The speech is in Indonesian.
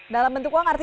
dalam bentuk uang